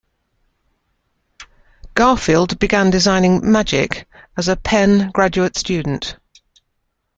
Garfield began designing "Magic" as a Penn graduate student.